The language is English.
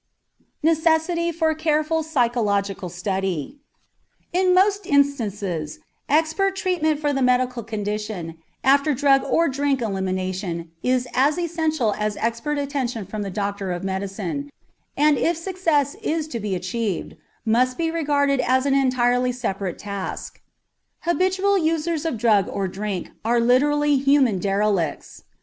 NECESSITY FOR CAREFUL PSYCHOLOGICAL STUDY In most instances expert treatment for the mental condition after drug or drink elimination is as essential as expert attention from the doctor of medicine, and if success is to be achieved, must be regarded as an entirely separate task. Habitual users of drugs or drink are literally human derelicts.